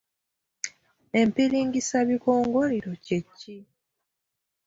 Empiringisabikongoliro kye ki?